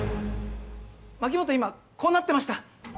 牧本、今こうなってました。